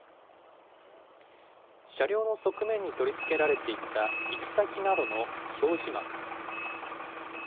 車両の側面に取り付けられていた行き先などの表示幕。